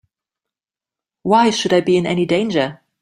Why should I be in any danger?